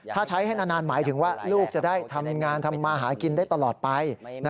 ถ้าใช้ให้นานหมายถึงว่าลูกจะได้ทำงานทำมาหากินได้ตลอดไป